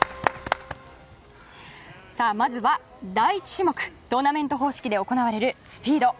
まずは第１種目トーナメント方式で行われるスピード。